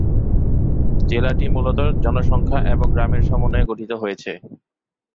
জেলাটি মূলত জনসংখ্যা এবং গ্রামের সমন্বয়ে গঠিত হয়েছে।